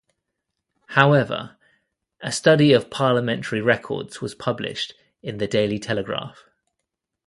However, a study of parliamentary records was published in "The Daily Telegraph".